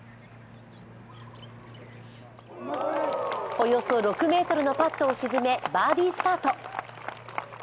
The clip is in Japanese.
およそ６ｍのパットを沈めバーディースタート。